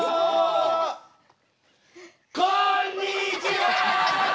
こんにちは！